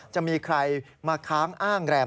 จะมีใครมาค้างอ้างแรม